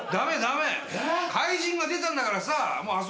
怪人が出たんだからさあ